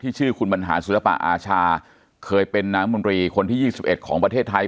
ชื่อคุณบรรหารศิลปะอาชาเคยเป็นน้ำมนตรีคนที่๒๑ของประเทศไทย